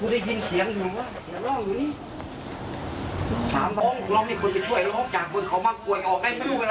ดีใจมั้ยยายเจอหลานละ